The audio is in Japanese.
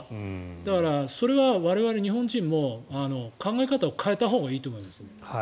だから、それは我々日本人も考え方を変えたほうがいいと思います。